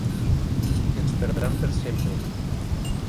Ens perdran per sempre.